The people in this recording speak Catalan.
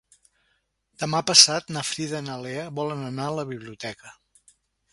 Demà passat na Frida i na Lea volen anar a la biblioteca.